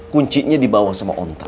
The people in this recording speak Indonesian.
kuncinya dibawa sama ontak